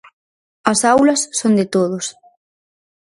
As aulas son de todos.